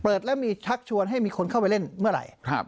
เปิดแล้วมีชักชวนให้มีคนเข้าไปเล่นเมื่อไหร่